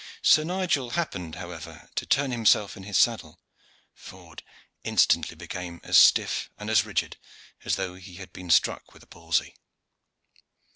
Sir Nigel happened, however, to turn himself in his saddle Ford instantly became as stiff and as rigid as though he had been struck with a palsy.